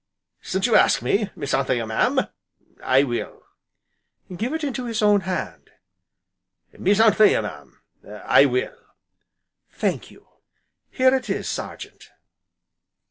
"Since you ask me Miss Anthea mam I will." "Give it into his own hand." "Miss Anthea mam I will." "Thank you! here it is, Sergeant."